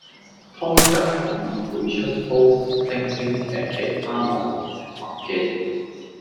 通常網民會出 Post 聲稱請其他網民食麥記